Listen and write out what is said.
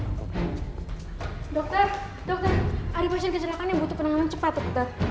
dokter dokter ada pasien kecelakaan yang butuh penanganan cepat dokter